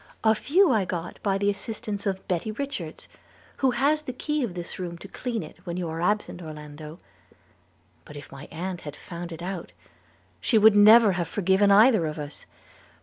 'A few I got at by the assistance of Betty Richards, who has the key of this room to clean it when you are absent, Orlando; but if my aunt had found it out, she would never have forgiven either of us.